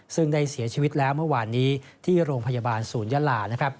ซึ่งได้เสียชีวิตแล้วเมื่อวานนี้ที่โรงพยาบาลศูนยาลา